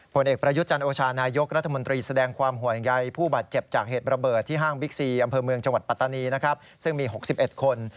ผลเอกประยุทธ์จันโอชานายกรัฐมนตรีแสดงความห่วงใยผู้บาดเจ็บจากเหตุระเบิดที่ห้างบิ๊กซีอำเภอเมืองจังหวัดปัตตานีนะครับซึ่งมี๖๑คน